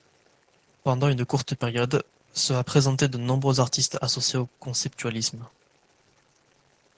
Pendant une courte période, ce a présenté de nombreux artistes associés au conceptualisme.